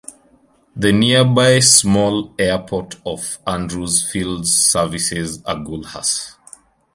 The nearby small airport of Andrew's Field services Agulhas.